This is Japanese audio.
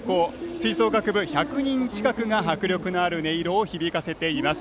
吹奏楽部１００人近くが迫力のある音色を響かせています。